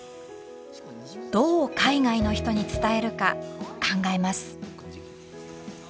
どう海外の人に伝えるか考えます。